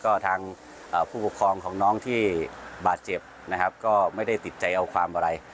ก็ทางผู้ปกครองของน้องที่บาดเจ็บนะครับก็ไม่ได้ติดใจเอาความอะไร